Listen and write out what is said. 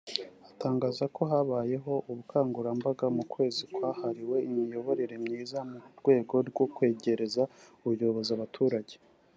atangaza ko habayeho ubukangurambaga mu kwezi kwahariwe imiyoborere myiza mu rwego rwo kwegereza ubuyobozi abaturage